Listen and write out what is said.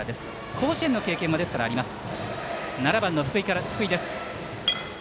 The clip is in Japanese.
甲子園の経験はあります。